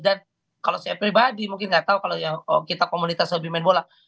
dan kalau saya pribadi mungkin gak tau kalau kita komunitas yang main bola